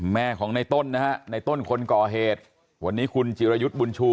แม่ของในต้นนะฮะในต้นคนก่อเหตุวันนี้คุณจิรยุทธ์บุญชู